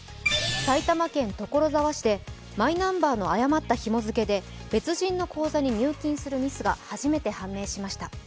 埼玉県所沢市でマイナンバーの誤ったひも付けで別人の口座に入金するミスが初めて判明しました。